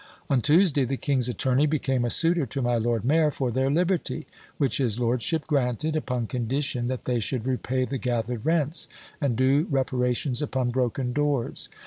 On Tuesday the king's attorney became a suitor to my Lord Mayor for their liberty; which his lordship granted, upon condition that they should repay the gathered rents, and do reparations upon broken doors.